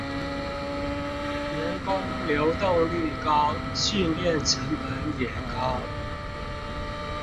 員工流動率高，訓練成本也高